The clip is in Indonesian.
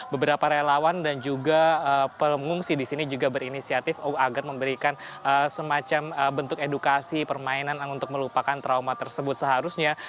beberapa relawan dan juga pengungsi di sini juga berinisiatif agar memberikan semacam bentuk edukasi permainan untuk melupakan trauma tersebut seharusnya